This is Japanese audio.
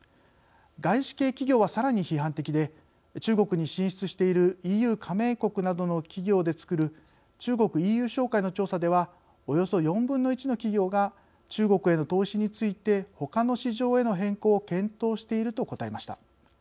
外資系企業は、さらに批判的で中国に進出しているＥＵ加盟国などの企業で作る中国ＥＵ商会の調査ではおよそ４分の１の企業が中国への投資についてほかの市場への変更を検討していると答えました。